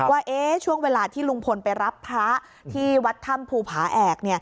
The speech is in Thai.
ว่าช่วงเวลาที่ลุงพลไปรับพระที่วัดถ้ำภูผาแอก